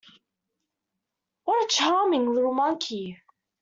What a charming little monkey!